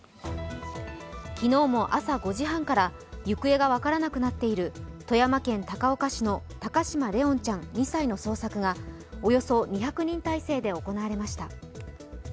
昨日も朝５時半から行方が分からなくなっている富山県高岡市の高嶋怜音ちゃん２歳の捜索がおよそ２００人態勢で行われました。